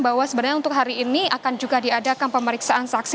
bahwa sebenarnya untuk hari ini akan juga diadakan pemeriksaan saksi